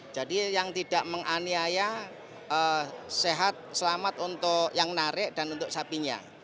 jadi yang tidak menganiaya sehat selamat untuk yang narik dan untuk sapinya